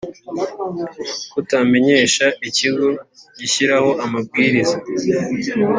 kutamenyesha ikigo gishyiraho amabwiriza